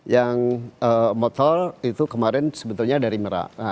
yang motor itu kemarin sebetulnya dari merak